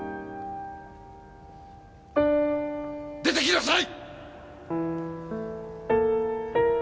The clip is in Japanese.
出てきなさい！